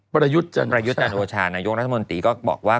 ประยุทธ์จันทรวชานายกรัฐมนตรีก็บอกว่า